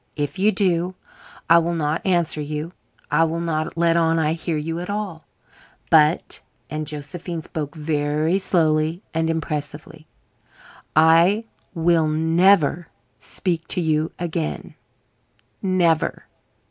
If you do I will not answer you I will not let on I hear you at all; but (and Josephine spoke very slowly and impressively) I will never speak to you again never.